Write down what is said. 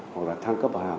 hoặc là thăng cấp bậc hàm